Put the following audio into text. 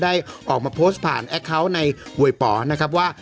ได้ออกมาโพสต์ผ่านแอคเคาน์ในหวยป๋อนะครับว่า